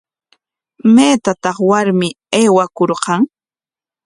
¿Maypataq warmi aywakurqan?